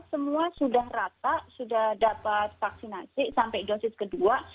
semua sudah rata sudah dapat vaksinasi sampai dosis kedua